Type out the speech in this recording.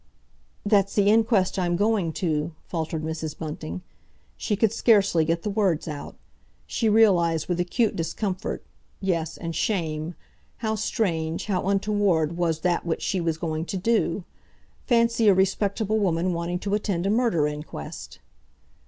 "That's the inquest I'm going to," faltered Mrs. Bunting. She could scarcely get the words out. She realised with acute discomfort, yes, and shame, how strange, how untoward, was that which she was going to do. Fancy a respectable woman wanting to attend a murder inquest!